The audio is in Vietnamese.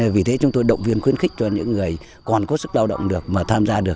vì thế chúng tôi động viên khuyến khích cho những người còn có sức lao động được mà tham gia được